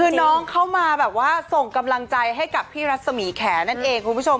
คือน้องเข้ามาแบบว่าส่งกำลังใจให้กับพี่รัศมีแขนั่นเองคุณผู้ชม